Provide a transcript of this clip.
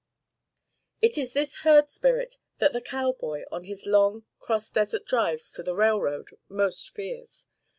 It is this herd spirit that the cowboy, on his long, cross desert drives to the railroad, most fears.